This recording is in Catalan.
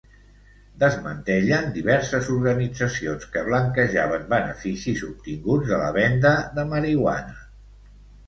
Desmantellen diverses organitzacions que blanquejaven beneficis obtinguts de la venda de marihuana.